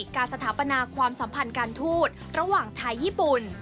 สถาปนาความสัมพันธ์การทูตระหว่างไทยญี่ปุ่น